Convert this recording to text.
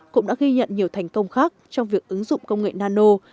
cũng đã ghi nhận nhiều thành công khác trong việc ứng dụng công nghệ nano